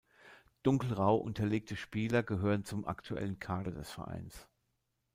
Dunkelgrau unterlegte Spieler gehören zum aktuellen Kader des Vereins.